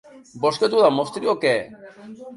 Vols que t'ho demostri o què?